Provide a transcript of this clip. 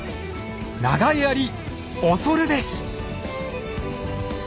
長柄槍恐るべし！